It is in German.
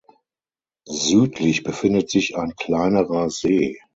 Südlich befindet sich ein kleinerer See.